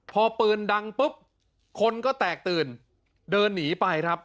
พอปืนดังปุ๊บคนก็แตกตื่นเดินหนีไปครับ